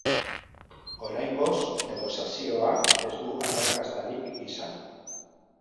Oraingoz, negoziazioak ez du arrakastarik izan.